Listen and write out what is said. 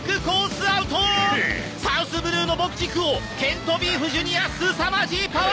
サウスブルーの牧畜王ケント・ビーフ・ジュニアすさまじいパワー！